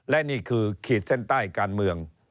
และนี่คือขีดเส้นใต้การเมือง